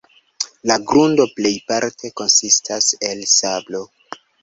La grundo plejparte konsistas el sablo.